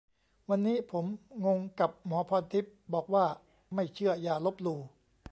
วันนี้ผม งงกับ หมอพรทิพย์ บอกว่า "ไม่เชื่ออย่าลบหลู่" !